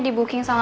lebih ke kota adat